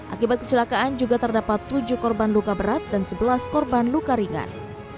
akibat kecelakaan juga terdapat tujuh korban luka berat dan sebelas korban luka ringan